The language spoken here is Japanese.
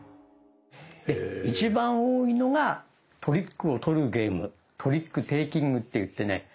一番多いのがトリックを取るゲーム「トリックテイキング」って言ってね